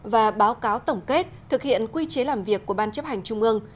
và báo cáo tổng kết thực hiện quy chế làm việc của ban chấp hành trung ương